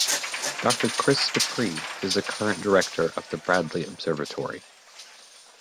Doctor Chris DePree is the current director of the Bradley Observatory.